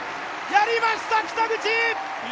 やりました、北口！